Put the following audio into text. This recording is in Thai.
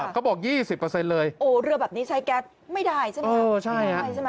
เขาบอก๒๐เลยโอ้เรือแบบนี้ใช้แก๊สไม่ได้ใช่ไหมครับ